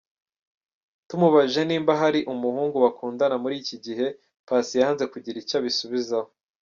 Tumubajije niba hari umuhugu bakundana muri iki gihe, Paccy yanze kugira icyo abisubizaho.